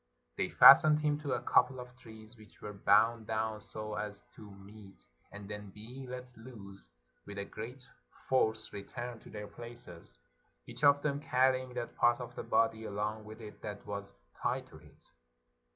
They fastened him to a couple of trees which were bound down so as to meet, and then being let loose, with a great force returned to their places, each of them carry ing that part of the body along with it that was tied to it.